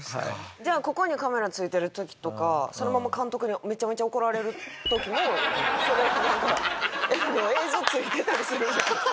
じゃあここにカメラついてる時とかそのまま監督にめちゃめちゃ怒られる時もなんか映像ついてたりするんですか？